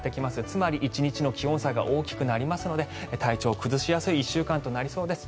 つまり１日の気温差が大きくなりますので体調を崩しやすい１週間となりそうです。